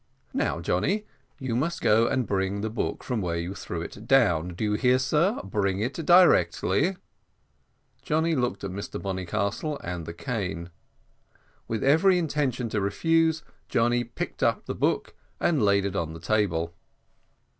Now, Johnny, you must go and bring the book from where you threw it down. Do you hear, sir? bring it directly!" Johnny looked at Mr Bonnycastle and the cane. With every intention to refuse, Johnny picked up the book and laid it on the table.